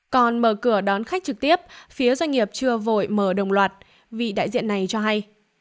còn mở cửa đón khách trực tiếp phía doanh nghiệp chưa vội mở đồng loạt vị đại diện này cho hay